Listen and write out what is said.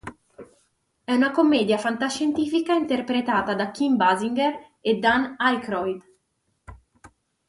È una commedia fantascientifica interpretata da Kim Basinger e Dan Aykroyd.